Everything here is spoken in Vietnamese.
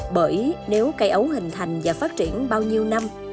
bởi nếu cây ấu hình thành và phát triển bao nhiêu năm